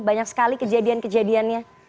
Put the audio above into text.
banyak sekali kejadian kejadiannya